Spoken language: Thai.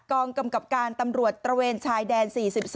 กองกำกับการตำรวจตระเวนชายแดน๔๒